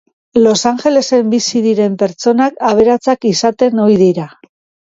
Los Angelesen bizi diren pertsonak aberatsak izaten ohi dira